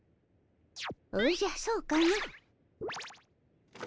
おじゃそうかの。